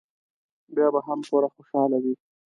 بیا به هم پوره خوشاله وي.